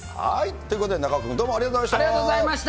ということで、中岡君、ありがとうございました。